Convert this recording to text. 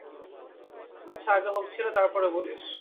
আচ্ছা, আগে হোক ছেলে, তার পরে বলিস।